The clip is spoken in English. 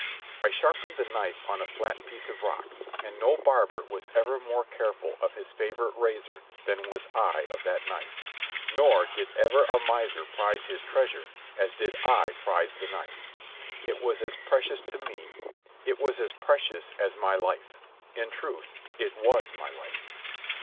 I sharpened the knife on a flat piece of rock, and no barber was ever more careful of his favourite razor than was I of that knife. Nor did ever a miser prize his treasure as did I prize the knife. It was as precious as my life. In truth, it was my life.